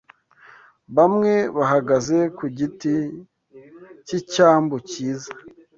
Bamwe, bahagaze ku giti cyicyambu cyiza